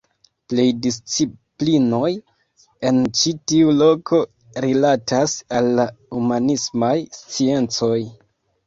Plej disciplinoj en ĉi tiu loko rilatas al la humanismaj sciencoj.